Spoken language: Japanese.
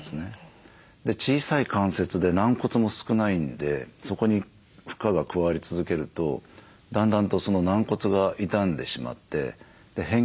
小さい関節で軟骨も少ないんでそこに負荷が加わり続けるとだんだんと軟骨が傷んでしまって変形してきます。